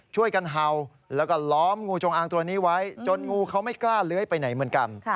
ช่วยกันเห่าแล้วก็ล้อมงูจงอางตัวนี้ไว้จนงูเขาไม่กล้าเลื้อยไปไหนเหมือนกัน